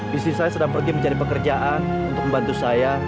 bisnis saya sedang pergi mencari pekerjaan untuk membantu saya